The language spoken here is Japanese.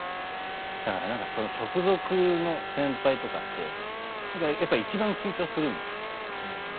だからなんかその直属の先輩とかってやっぱいちばん緊張するんですよね。